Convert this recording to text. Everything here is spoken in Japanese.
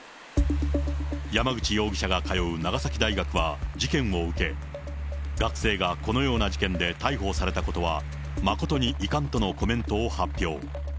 山口容疑者が通う長崎大学は事件を受け、学生がこのような事件で逮捕されたことは、誠に遺憾とのコメントを発表。